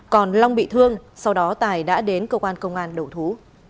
còn lâm bị thương sau đó tài đã đến cơ quan công an đổ thú